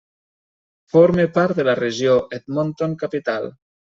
Forma part de la Regió Edmonton Capital.